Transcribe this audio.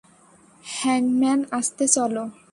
হ্যাংম্যান, আস্তে চলো।